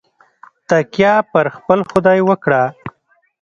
تکیه پر خپل خدای وکړه.